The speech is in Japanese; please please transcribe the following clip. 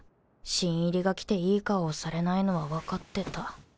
新入りが来ていい顔をされないのは分かってた。